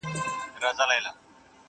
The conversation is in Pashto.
موږ يو وبل ته ور روان پر لاري پاته سولو ،